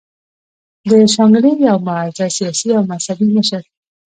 د شانګلې يو معزز سياسي او مذهبي مشر